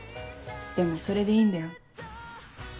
でもそれでいいんだよ。